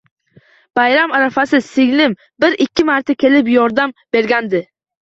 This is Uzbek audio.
Bayram arafasi singlim bir-ikki marta kelib yordam bergandi